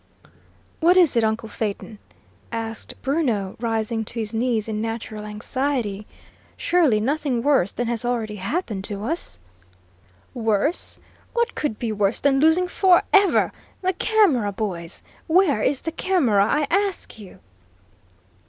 "What is it, uncle Phaeton?" asked Bruno, rising to his knees in natural anxiety. "Surely nothing worse than has already happened to us?" "Worse? What could be worse than losing for ever the camera, boys; where is the camera, I ask you?"